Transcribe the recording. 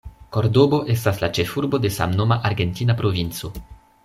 Kordobo estas la ĉefurbo de samnoma argentina provinco.